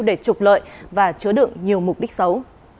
để trục lợi và chứa đựng nhiều mục đích xấu